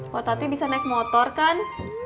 kok tadi bisa naik motor kan